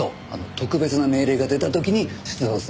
特別な命令が出た時に出動するのね。